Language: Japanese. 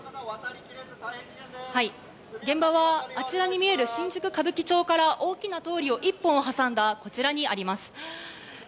現場は、あちらに見える新宿・歌舞伎町から大きな通りを１本挟んだこちらにあります。